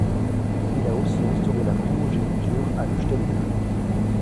Il a aussi instauré la primogéniture à Leuchtenberg.